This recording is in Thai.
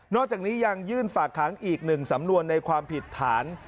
อกจากนี้ยังยื่นฝากค้างอีก๑สำนวนในความผิดฐาน